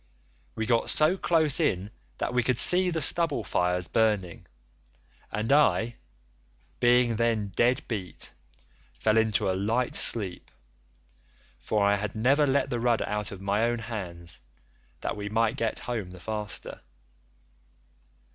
We got so close in that we could see the stubble fires burning, and I, being then dead beat, fell into a light sleep, for I had never let the rudder out of my own hands, that we might get home the faster.